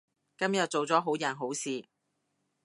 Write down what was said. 今日做咗好人好事